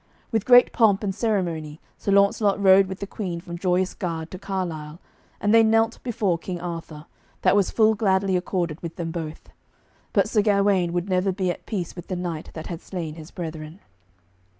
With great pomp and ceremony Sir Launcelot rode with the Queen from Joyous Gard to Carlisle, and they knelt before King Arthur, that was full gladly accorded with them both. But Sir Gawaine would never be at peace with the knight that had slain his brethren.